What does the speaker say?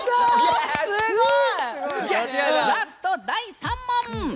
ラスト、第３問。